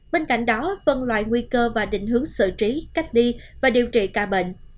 bên cạnh đó phân loại nguy cơ và định hướng sử trí cách đi và điều trị ca bệnh